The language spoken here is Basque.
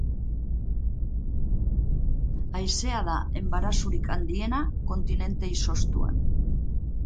Haizea da enbarazurik handiena kontinente izoztuan.